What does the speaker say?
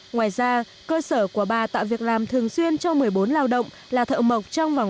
ngoài ra cơ sở của bà tạo việc làm thường xuyên cho một mươi bốn lao động là thợ mộc trong vòng